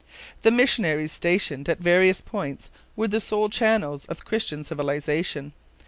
The missionaries stationed at various points were the sole channels of Christian civilization.